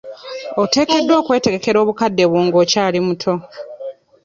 Oteekeddwa okwetegekera obukadde bwo ng'okyali muto.